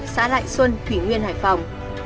xã lại xuân quỷ nguyên hải phòng